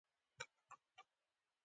ما هغه په خپلو اوږو سپار کړ.